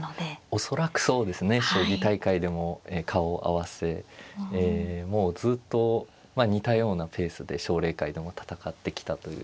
恐らくそうですね将棋大会でも顔を合わせもうずっと似たようなペースで奨励会でも戦ってきたという。